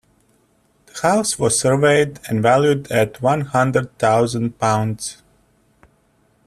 The house was surveyed and valued at one hundred thousand pounds.